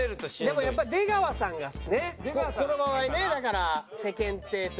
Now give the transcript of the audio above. でもやっぱ出川さんがねこの場合ねだから世間体というか。